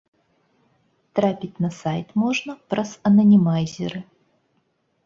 Трапіць на сайт можна праз ананімайзеры.